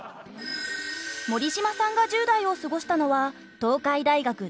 森島さんが１０代を過ごしたのは東海大学第一高校。